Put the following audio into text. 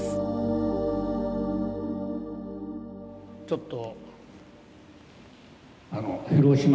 ちょっと。